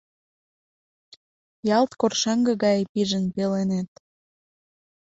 Ялт коршаҥге гае пижын пеленет